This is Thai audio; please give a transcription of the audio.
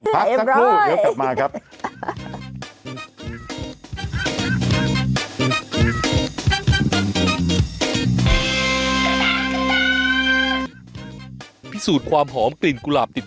พักสักครู่เดี๋ยวกลับมาครับ